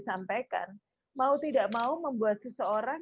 sampaikan mau tidak mau membuat seseorang